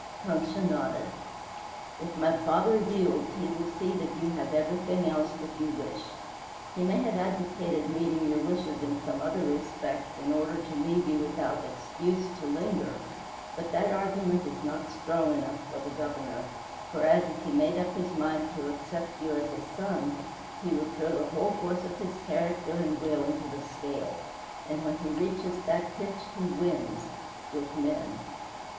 Concha nodded. "If my father yields he will see that you have everything else that you wish. He may have advocated meeting your wishes in other respects in order to leave you without excuse to linger, but that argument is not strong enough for the Governor, whereas if he made up his mind to accept you as a son he would throw the whole force of his character and will into the scale; and when he reaches that pitch he wins with men.